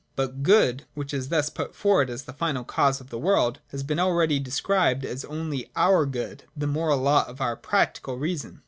60.] But Good, — which is thus put forward as the final cause of the world, — has been already described as only our good, the moral law of our Practical Reason.